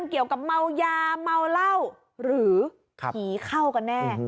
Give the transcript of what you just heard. เกี่ยวกับเมายาเมาเหล้าหรือผีเข้ากันแน่